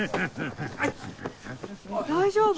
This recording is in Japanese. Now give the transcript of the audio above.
大丈夫？